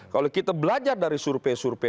kalau kita belajar dari survei survei